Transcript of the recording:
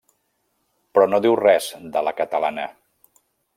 Però no diu res de la Catalana.